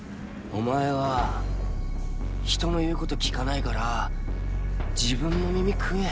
お前は人の言うこと聞かないから自分の耳食え。